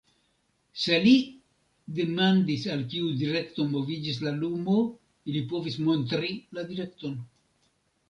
Se li demandis, al kiu direkto moviĝis la lumo, ili povis montri la direkton.